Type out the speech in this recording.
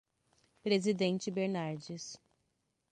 Presidente Bernardes